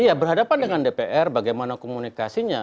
iya berhadapan dengan dpr bagaimana komunikasinya